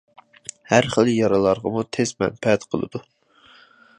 ھەر خىل يارىلارغىمۇ تېز مەنپەئەت قىلىدۇ.